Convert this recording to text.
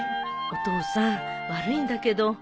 お父さん悪いんだけど。